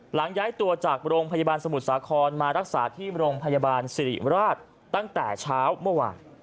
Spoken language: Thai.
หลังย้ายตัวจากโรงพยาบาลสมุทรสาครมารักษาที่โรงพยาบาลสิริราชตั้งแต่เช้าเมื่อวาน